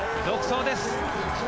独走です！